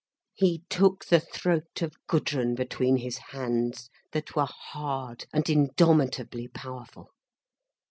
He took the throat of Gudrun between his hands, that were hard and indomitably powerful.